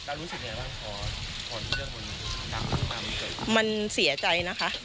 เรารู้สึกยังไงบ้างขอขอเรื่องมันเสียใจนะคะ